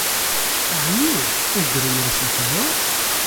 Ɛni ur d-rrin ara s lexber?